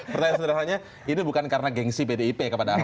pertanyaan sederhananya ini bukan karena gengsi pdip kepada ahok